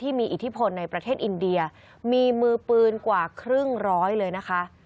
มีอิทธิพลในประเทศอินเดียมีมือปืนกว่าครึ่งร้อยเลยนะคะ